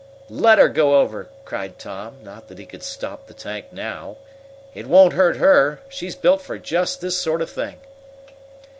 "Let her go over!" cried Tom, not that he could stop the tank now. "It won't hurt her. She's built for just this sort of thing!"